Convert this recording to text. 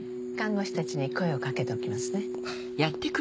看護師たちに声をかけておきますね。